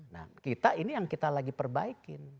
nah kita ini yang kita lagi perbaikin